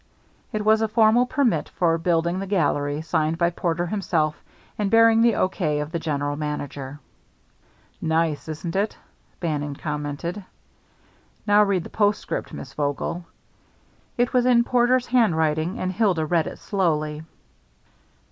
It was a formal permit for building the gallery, signed by Porter himself, and bearing the O. K. of the general manager. "Nice, isn't it?" Bannon commented. "Now read the postscript, Miss Vogel." It was in Porter's handwriting, and Hilda read it slowly.